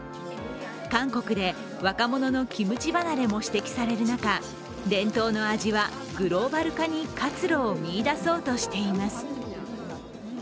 韓国で若者のキムチ離れも指摘される中、伝統の味はグローバル化に活路を見いだそうとしています。